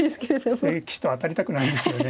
そういう棋士とは当たりたくないですよね。